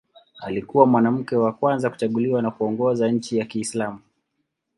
Alikuwa mwanamke wa kwanza kuchaguliwa na kuongoza nchi ya Kiislamu.